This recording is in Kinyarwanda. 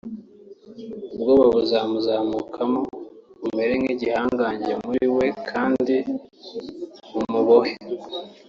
ubwoba buzamuzamukamo bumere nk'igihangange muri we kandi bumubohe